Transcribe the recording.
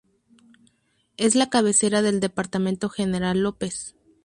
Es la cabecera del departamento General López.